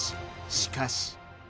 しかし。